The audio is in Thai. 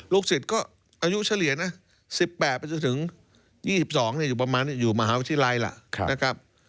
ลูกศิษย์ก็อายุเฉลี่ย๑๘ถึง๒๒ประมาณนี้อยู่มหาวิทยาลัยล่ะ